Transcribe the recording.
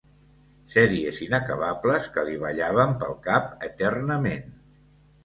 Sèries inacabables que li ballaven pel cap eternament